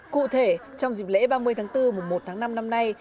cụ thể trong dịp lễ ba mươi tháng bốn mùa một tháng năm năm nay